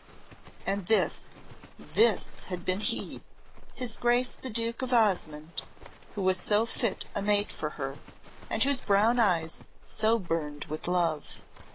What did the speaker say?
And this this had been he, his Grace the Duke of Osmonde who was so fit a mate for her, and whose brown eyes so burned with love.